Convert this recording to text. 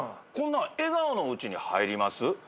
こんなん笑顔のうちに入ります？